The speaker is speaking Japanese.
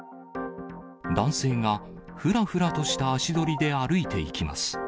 男性がふらふらとした足取りで歩いていきます。